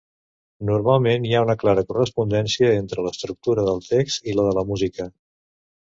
Normalment hi ha una clara correspondència entre l'estructura del text i la de la música.